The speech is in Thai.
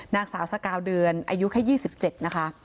นางสาวสกาวเดือนอายุแค่๒๗นะคะ